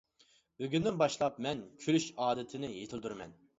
بۈگۈندىن باشلاپ، مەن كۈلۈش ئادىتىنى يېتىلدۈرىمەن.